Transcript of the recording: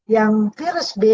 yang virus b